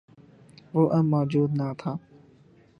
وہ اب موجود نہ تھا۔